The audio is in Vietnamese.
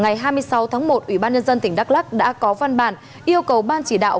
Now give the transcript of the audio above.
ngày hai mươi sáu tháng một ủy ban nhân dân tỉnh đắk lắc đã có văn bản yêu cầu ban chỉ đạo